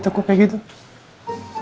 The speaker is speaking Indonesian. ya udah deh